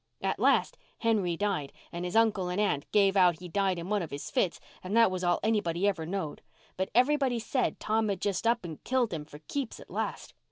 At last Henry died and his uncle and aunt give out he died in one of his fits and that was all anybody ever knowed, but everybody said Tom had just up and killed him for keeps at last.